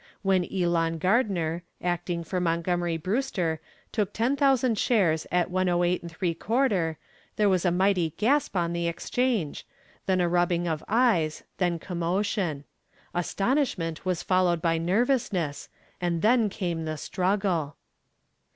When Elon Gardner, acting for Montgomery Brewster; took ten thousand shares at 108 3/4 there was a mighty gasp on the Exchange, then a rubbing of eyes, then commotion. Astonishment was followed by nervousness, and then came the struggle.